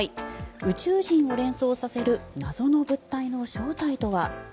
宇宙人を連想させる謎の物体の正体とは。